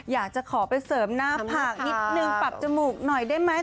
อยากจะขอไปเสริมหน้าผากนิดนึงปรับจมูกหน่อยได้ไหม